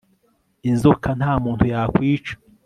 inzoka nta muntu yakwica